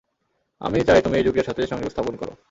আমি চাই তুমি এই যুগের সাথে সংযোগ স্থাপন কর।